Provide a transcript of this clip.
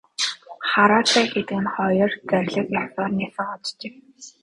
Хараацай хэдгэнэ хоёр зарлиг ёсоор нисэн оджээ.